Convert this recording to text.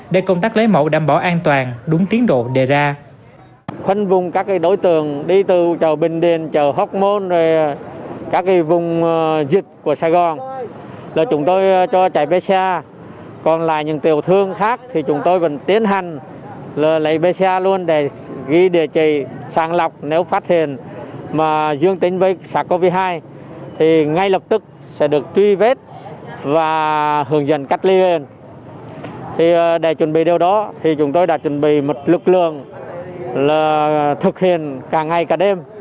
để công tác lấy mẫu đảm bảo an toàn đúng tiến độ đề ra